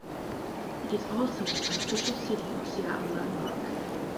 It is also an official City of Seattle landmark.